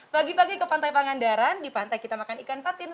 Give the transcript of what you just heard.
bagi bagi ke pantai pangandaran di pantai kita makan ikan patin